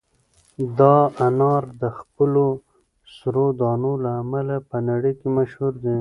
دا انار د خپلو سرو دانو له امله په نړۍ کې مشهور دي.